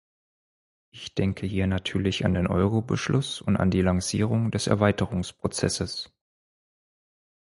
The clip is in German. Ich denke hier natürlich an den Euro-Beschluss und an die Lancierung des Erweiterungsprozesses.